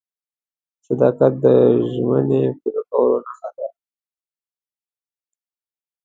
• صداقت د ژمنې پوره کولو نښه ده.